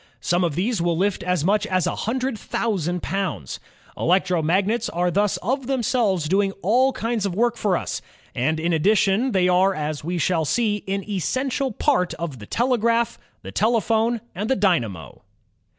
Some of these will lift as much as a hun dred thousand pounds. Electromagnets are thus of them selves doing all kinds of work for us, and in addition they are, as we shall see, an essential part of the telegraph, the telephone, and the dynamo.